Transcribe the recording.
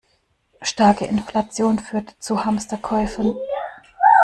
Starke Inflation führt zu Hamsterkäufen.